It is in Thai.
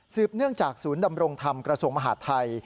เนื่องจากศูนย์ดำรงธรรมกระทรวงมหาดไทย